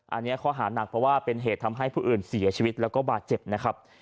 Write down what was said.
อันนี้ข้อหานักเพราะว่าเป็นเหตุทำให้ผู้อื่นเสียชีวิตแล้วก็บาดเจ็บนะครับ